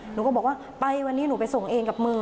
หนูก็บอกว่าไปวันนี้หนูไปส่งเองกับมือ